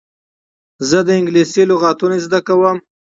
زه د انګلېسي لغتونه زده کوم.